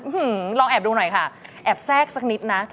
ลองแอบดูหน่อยค่ะแอบแทรกสักนิดนะ